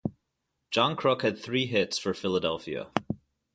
John Kruk had three hits for Philadelphia.